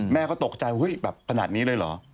แม่ก็ตกใจเฮ้ยแบบขนาดนี้เลยเหรอ